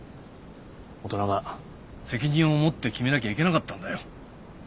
大人が責任を持って決めなきゃいけなかったんだよ。